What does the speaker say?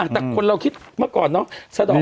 แต่คนเราคิดเมื่อก่อนเนาะสะดอก